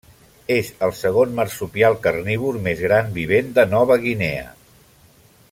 És el segon marsupial carnívor més gran vivent de Nova Guinea.